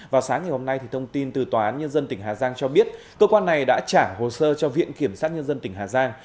vào sáng ngày hôm nay thông tin từ tòa án nhân dân tỉnh hà giang cho biết cơ quan này đã trả hồ sơ cho viện kiểm sát nhân dân tỉnh hà giang